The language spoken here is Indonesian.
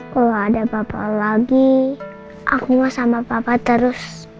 kalau ada papa lagi aku mau sama papa terus